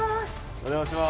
お邪魔します。